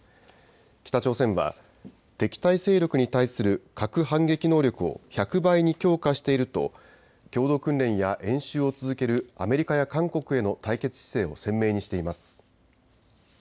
北朝鮮は敵対勢力に対する核反撃能力を１００倍に強化していると共同訓練や演習を続けるアメリカや韓国への対決姿勢を鮮明にしています。